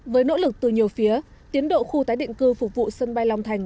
với nỗ lực từ nhiều phía tiến độ khu tái định cư phục vụ sân bay long thành